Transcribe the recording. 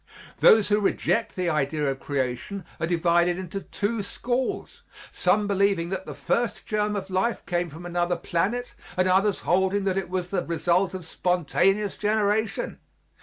Those who reject the idea of creation are divided into two schools, some believing that the first germ of life came from another planet and others holding that it was the result of spontaneous generation.